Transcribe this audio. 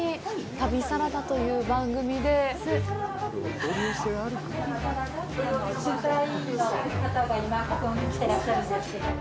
旅サラダって取材の方が今ここに来てらっしゃるんですけど。